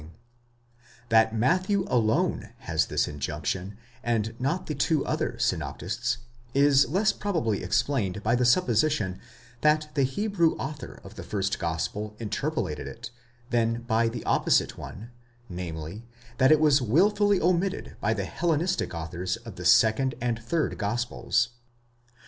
5 f.). That Matthew alone has this injunction, and not the two other synoptists, is less probably explained by the supposition that the Hebrew author of the first gospel interpolated it, than by the opposite one, namely, that it was wilfully omitted by the Hellenistic authors of the second and third gospels.